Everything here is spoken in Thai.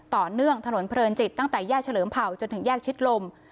ถนนเพลินจิตตั้งแต่แยกเฉลิมเผ่าจนถึงแยกชิดลม